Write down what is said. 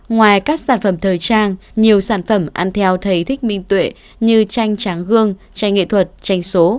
ngoài các sản phẩm thời trang nhiều sản phẩm ăn theo thầy thích minh tuệ như tranh tráng gương tranh nghệ thuật tranh số